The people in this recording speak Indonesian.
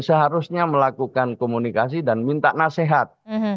seharusnya melakukan komunikasi dan minta nasihat